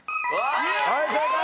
はい正解！